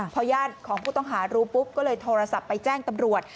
พอญาติของผู้ต้องหารู้ปุ๊บก็เลยโทรศัพท์ไปแจ้งตำรวจ